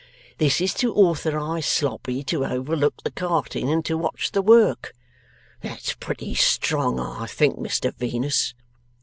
"This is to authorize Sloppy to overlook the carting and to watch the work." That's pretty strong, I think, Mr Venus?